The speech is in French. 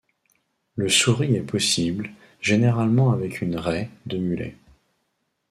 Le souris est possible, généralement avec une raie de mulet.